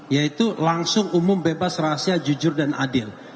yaitu langsung umum bebas rahasia jujur dan adil